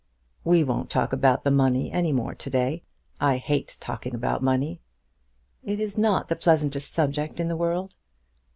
"We won't talk about the money any more to day. I hate talking about money." "It is not the pleasantest subject in the world."